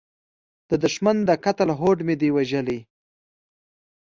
د دوښمن د قتل هوډ مې دی وژلی